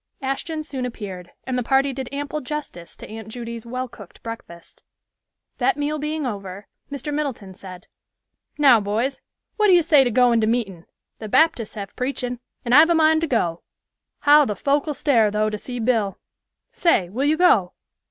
Ashton soon appeared, and the party did ample justice to Aunt Judy's well cooked breakfast. That meal being over, Mr. Middleton said, "Now, boys, what do you say to goin' to meetin'? The Baptists have preachin', and I've a mind to go. How the folk'll stare though to see Bill. Say, will you go?"